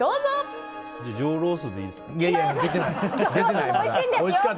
じゃあ、上ロースでいいですか。